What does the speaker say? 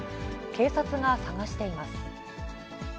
警察が探しています。